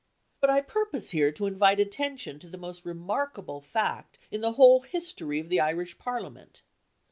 But I purpose here to invite attention to the most remarkable fact in the whole history of the Irish Parliament.